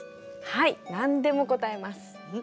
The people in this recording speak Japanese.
何でも答えます！